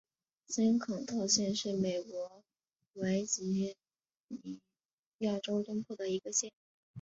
新肯特县是美国维吉尼亚州东部的一个县。